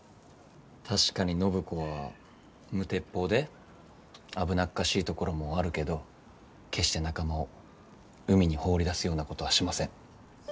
確かに暢子は無鉄砲で危なっかしいところもあるけど決して仲間を海に放り出すようなことはしません。